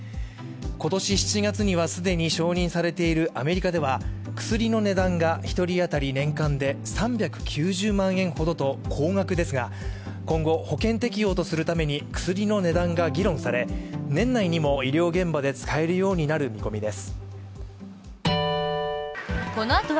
今年７月には既に承認されているアメリカでは薬の値段が、１人当たり年間で３９０万円ほどと高額ですが今後、保険適用とするために薬の値段が議論され年内にも医療現場で使えるようになる見込みです。